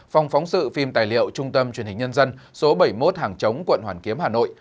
phòng phóng sự phim tài liệu trung tâm truyền hình nhân dân số bảy mươi một hàng chống quận hoàn kiếm hà nội